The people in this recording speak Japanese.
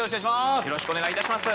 よろしくお願いします。